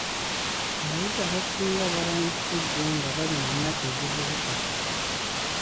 Abayizi abasinga baba n'effujjo nga bali mu myaka egivubuka.